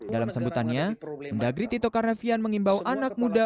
dalam sebutannya md tito karnavian mengimbau anak muda